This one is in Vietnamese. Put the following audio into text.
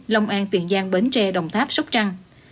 long an tiền giang bến tre đồng tháp sóc trăng